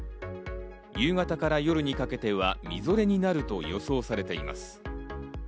夕方から夜にかけては、みぞれになると予想されています。